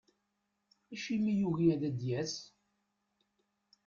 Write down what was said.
Acimi i yugi ad d-yas ?